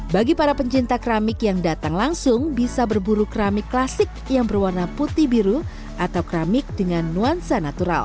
bagi para pencinta keramik yang datang langsung bisa berburu keramik klasik yang berwarna putih biru atau keramik dengan nuansa natural